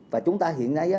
và chúng ta hiện nay